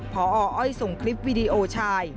พออ้อยส่งคลิปวิดีโอชาย